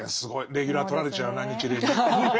レギュラー取られちゃうな日蓮に。